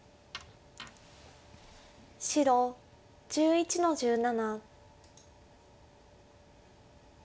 白１１の十七。